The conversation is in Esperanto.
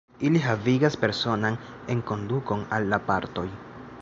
Li havigas personan enkondukon al la partoj.